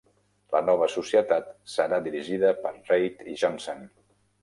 La nova societat serà dirigida per Reid i Johnsen.